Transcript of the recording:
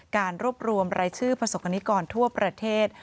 การรวบรวมรายชื่อประสบกรณิกรทั่วประเทศ